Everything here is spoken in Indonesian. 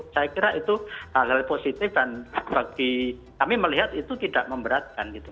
saya kira itu hal hal positif dan bagi kami melihat itu tidak memberatkan gitu